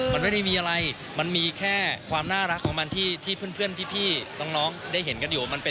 มันไม่ได้มีอะไรมันมีแค่ความน่ารักของมัน